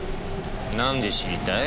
なんで知りたい？